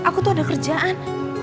aku tuh ada kerjaan